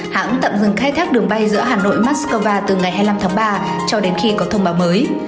hãng tạm dừng khai thác đường bay giữa hà nội moscow từ ngày hai mươi năm tháng ba cho đến khi có thông báo mới